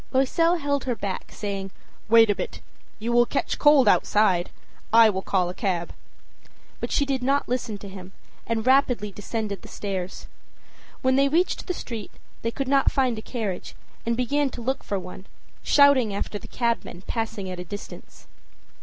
Loisel held her back, saying: âWait a bit. You will catch cold outside. I will call a cab.â But she did not listen to him and rapidly descended the stairs. When they reached the street they could not find a carriage and began to look for one, shouting after the cabmen passing at a distance.